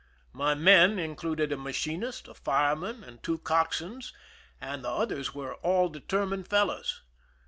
My men included a machinist, a fireman, and two cockswains, and the others were all determined fellows.